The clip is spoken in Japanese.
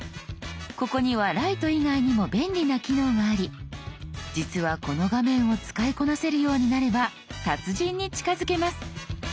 ここにはライト以外にも便利な機能があり実はこの画面を使いこなせるようになれば達人に近づけます。